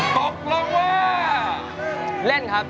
ก็กรองว่าเล่นครับ